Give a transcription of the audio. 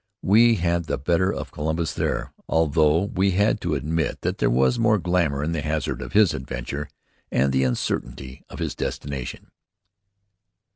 We had the better of Columbus there, although we had to admit that there was more glamour in the hazard of his adventure and the uncertainty of his destination.